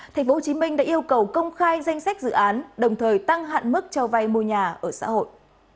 tp hcm đã yêu cầu công khai danh sách dự án đồng thời tăng hạn mức cho vay mua nhà ở xã hội